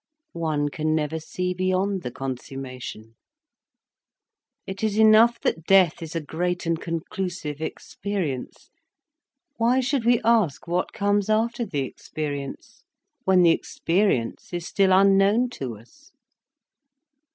One can never see beyond the consummation. It is enough that death is a great and conclusive experience. Why should we ask what comes after the experience, when the experience is still unknown to us?